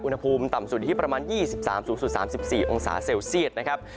อุณหภูมิต่ำสุดอยู่ที่ประมาณ๒๓สูงสุด๓๔องศาเซลเซียตนะครับ